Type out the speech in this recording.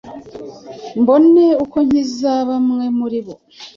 mbone uko nkiza bamwe muri bo.